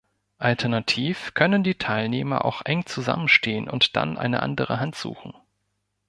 Alternativ können die Teilnehmer auch eng zusammenstehen und dann eine andere Hand suchen.